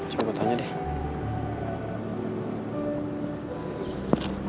coba gue tanya deh